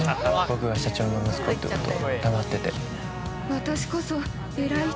僕が社長の息子ってこと黙ってて。